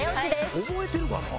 「覚えてるかな？